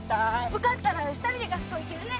受かったら２人で学校行けるね。